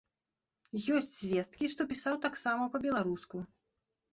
Ёсць звесткі, што пісаў таксама па-беларуску.